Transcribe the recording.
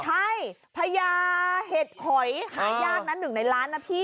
ใช่พญาเห็ดหอยหายากนะหนึ่งในล้านนะพี่